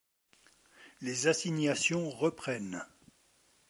Les assignations reprennent.